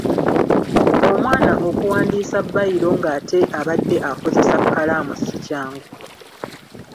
Omwana okuwandiisa bbayiro ng'ate abadde akozesa kkalaamu sikyangu.